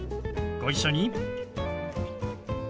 ご一緒に。